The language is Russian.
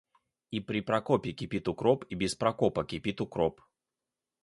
И при Прокопе кипит укроп, и без Прокопа кипит укроп.